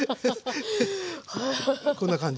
こんな感じです